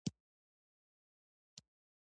کله یو او کله دوه سېلابه دی.